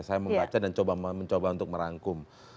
saya membaca dan mencoba untuk merangkum